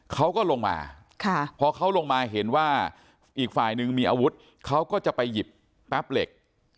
เขาก็ลงมาพอเขาลงมาเห็นว่าอีกฝ่ายหนึ่งมีอาวุธเขาก็จะไปหยิบแป๊บเหล็ก